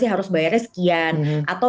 harus bayarnya sekian atau